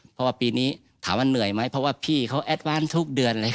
เพราะว่าปีนี้ถามว่าเหนื่อยไหมเพราะว่าพี่เขาแอดวานทุกเดือนเลย